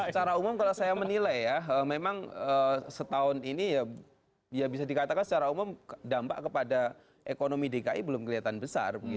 secara umum kalau saya menilai ya memang setahun ini ya bisa dikatakan secara umum dampak kepada ekonomi dki belum kelihatan besar